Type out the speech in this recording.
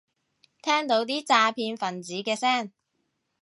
聽到啲詐騙份子嘅聲